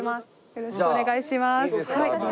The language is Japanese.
よろしくお願いします。